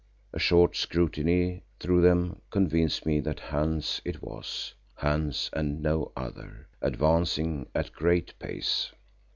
A short scrutiny through them convinced me that Hans it was, Hans and no other, advancing at a great pace.